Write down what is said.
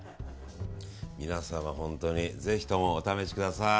皆さん、ぜひともお試しください。